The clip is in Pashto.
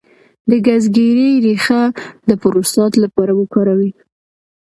د ګزګیرې ریښه د پروستات لپاره وکاروئ